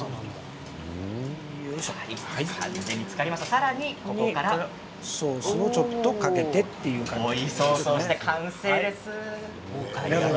さらに、ここからソースをちょっとかけて追いソースをして完成です。